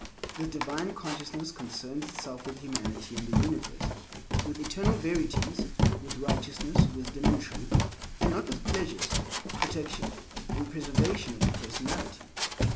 This divine consciousness concerns itself with humanity and the universe, with eternal verities, with righteousness, wisdom, and truth, and not with pleasures, protection, and preservation of the personality.